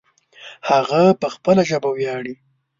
هغه په خپله ژبه ویاړې